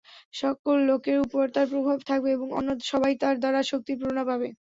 সকল লোকের উপর তার প্রভাব থাকবে এবং অন্য সবাই তার দ্বারা শক্তির প্রেরণা পাবে।